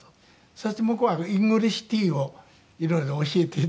そして向こうはイングリッシュティーを色々教えて頂いて。